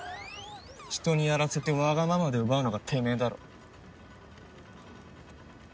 人にやらせてワガママで奪うのがてめえだろ。